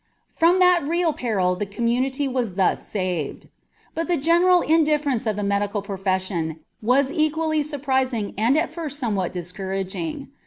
From that real peril the community was thus saved. But the general indifference of the medical profession was equally surprising and at first somewhat discouraging.